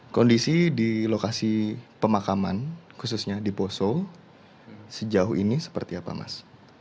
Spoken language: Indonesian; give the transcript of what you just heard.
kondisi di lokasi pemakaman khususnya di poso sejauh ini seperti apa mas